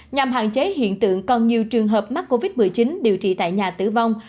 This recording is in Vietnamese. nhằm hạn chế hiện tượng còn nhiều trường hợp mắc covid một mươi chín điều trị tại nhà tử vong